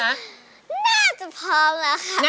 น่าจะพร้อมแล้วค่ะ